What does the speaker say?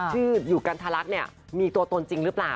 ที่อยู่กันทาระมีตัวตนจริงหรือเปล่า